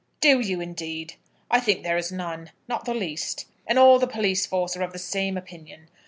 "Do you, indeed? I think there is none, not the least. And all the police force are of the same opinion.